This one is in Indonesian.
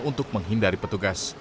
untuk menghindari petugas